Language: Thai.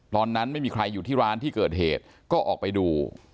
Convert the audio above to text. ตอนนั้นไม่มีใครอยู่ที่ร้านที่เกิดเหตุก็ออกไปดู